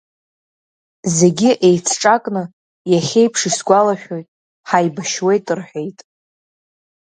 Зегьы еицҿакны, иахьеиԥш исгәалашәоит, ҳаибашьуеит рҳәеит.